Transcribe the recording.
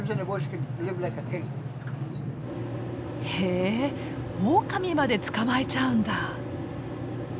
へオオカミまで捕まえちゃうんだ！